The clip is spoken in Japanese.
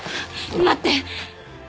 待って！